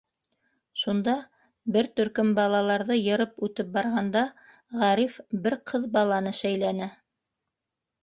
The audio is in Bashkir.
Шунда, бер төркөм балаларҙы йырып үтеп барғанда, Ғариф бер ҡыҙ баланы шәйләне.